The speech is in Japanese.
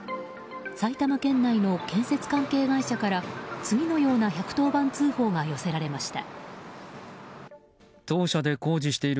埼玉県内の建設関係会社から次のような１１０番通報が寄せられました。